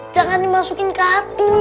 jangan dimasukin ke hati